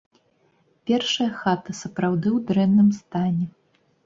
Першая хата сапраўды ў дрэнным стане.